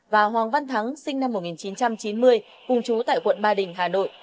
và hoàng văn thắng sinh năm một nghìn chín trăm chín mươi cùng chú tại quận ba đình hà nội